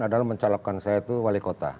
adalah mencalonkan saya itu wali kota